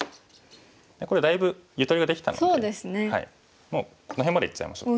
これだいぶゆとりができたのでもうこの辺までいっちゃいましょう。